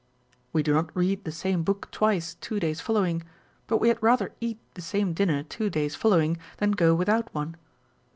We do not read the same book twice two days following, but we had rather eat the same dinner two days following than go without one.